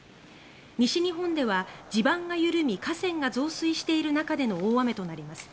西日本では地盤が緩み河川が増水している中での大雨となります。